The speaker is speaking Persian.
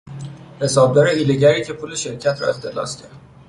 حسابدار حیلهگری که پول شرکت را اختلاس کرد